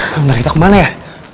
bentar kita kemana ya